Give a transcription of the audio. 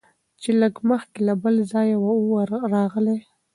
چي لږ مخکي له بل ځایه وو راغلی